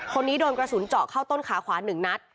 คนนี้โดนกระสุนเจาะเข้าต้นขาขวา๑นัด